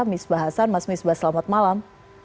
misbah hasan mas misbah selamat malam